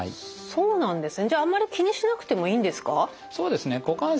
そうなんですね。